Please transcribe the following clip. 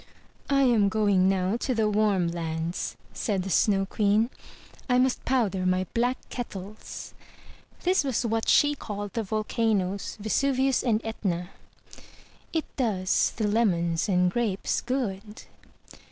"I am going now to the warm lands,*' said the Snow Queen. "I must powder my black kettles." (This was what she called the volcanoes, Vesuvius and Etna.) " It does the lemons and grapes good."